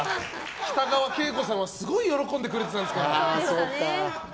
北川景子さんはすごい喜んでくれたんですから。